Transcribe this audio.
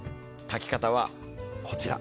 炊き方は、こちら。